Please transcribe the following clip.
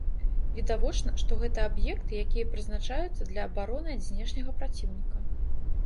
Відавочна, што гэта аб'екты, якія прызначаюцца для абароны ад знешняга праціўніка.